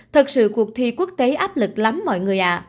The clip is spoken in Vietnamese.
thật sự cuộc thi quốc tế áp lực lắm mọi người